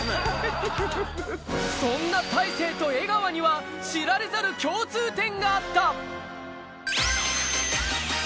そんな大勢と江川には、知られざる共通点があった。